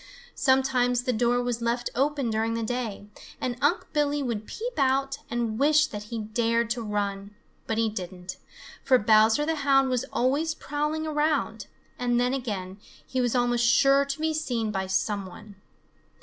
Sometimes the door was left open during the day, and Unc' Billy would peep out and wish that he dared to run. But he didn't, for Bowser the Hound was always prowling around, and then again he was almost sure to be seen by some one.